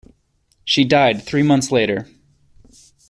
She died three months later.